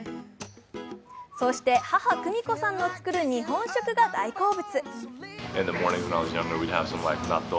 そして母・久美子さんの作る日本食が大好物。